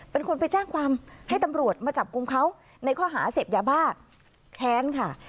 เป็นคนไปแจ้งความให้ตำรวจมาจับกลุ่มเขาในข้อหาเสพยาบ้าแค้นค่ะ